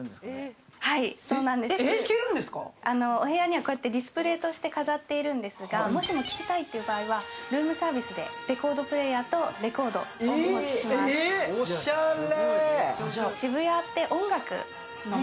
お部屋にはディスプレーとして飾っているんですがもしも聴きたいという場合はルームサービスでレコードプレーヤーとレコードをお持ちしますおっしゃれ。